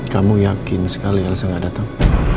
kamu yakin sekali elsa gak datang